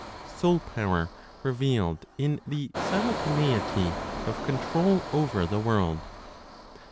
SOUL POWER REVEALED IN THE SIMULTANEITY OF CONTROL OVER THE WORLD.